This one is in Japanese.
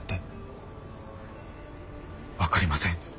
分かりません。